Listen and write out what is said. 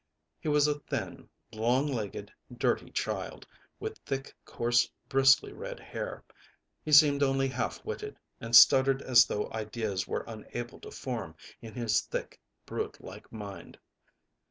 He was a thin, long legged, dirty child, with thick, coarse, bristly red hair. He seemed only half witted, and stuttered as though ideas were unable to form in his thick, brute like mind.